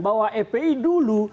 bahwa fpi dulu